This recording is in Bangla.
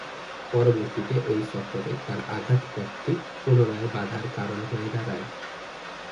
পরবর্তীতে ঐ সফরে তার আঘাতপ্রাপ্তি পুনরায় বাঁধার কারণ হয়ে দাঁড়ায়।